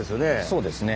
そうですね。